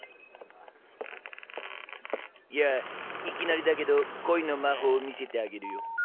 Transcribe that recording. いきなりだけど恋の魔法を見せてあげるよ。